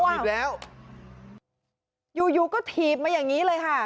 อ้าวถีบแล้วอยู่ก็ถีบมาอย่างนี้เลยค่ะ